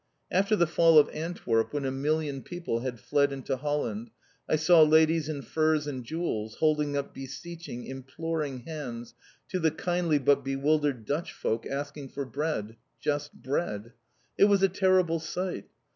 After the fall of Antwerp, when a million people had fled into Holland, I saw ladies in furs and jewels holding up beseeching, imploring hands to the kindly but bewildered Dutch folk asking for bread just bread! It was a terrible sight!